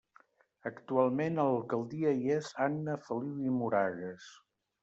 Actualment a l'alcaldia hi és Anna Feliu i Moragues.